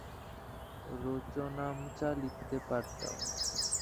রোজনামচা লিখতে পারতাম।